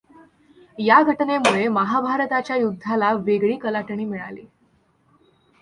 या घटनेमूळे महाभारताच्या युध्दाला वेगळी कलाटणी मिळाली.